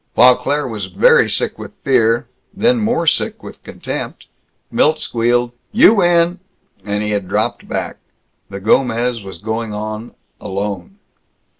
While Claire was very sick with fear, then more sick with contempt, Milt squealed, "You win!" And he had dropped back. The Gomez was going on alone.